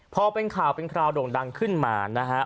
พอเป็นข่าวเป็นคราวโด่งดังขึ้นมานะฮะ